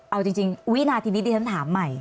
เอาจริงวินาทีนี้ดิฉันถามใหม่